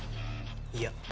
いや。